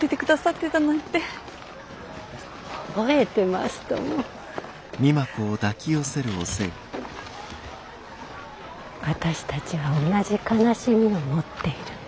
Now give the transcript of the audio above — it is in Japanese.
私たちは同じ悲しみを持っている。